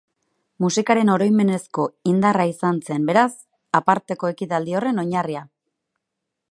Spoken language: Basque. Musikaren oroimenezko indarra izan zen, beraz, aparteko ekitaldi horren oinarria.